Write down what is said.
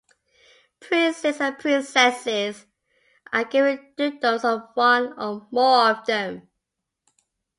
Princes and princesses are given dukedoms of one or more of them.